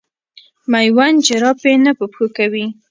مېوند جراپي نه په پښو کوي.